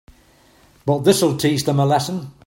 But this'll teach them a lesson.